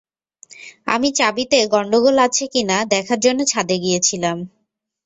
আমি চাবিতে গণ্ডগোল আছে কি না দেখার জন্যে ছাদে গিয়েছিলাম।